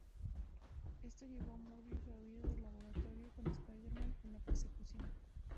Esto llevó a Morbius a huir del laboratorio con Spider-Man en la persecución.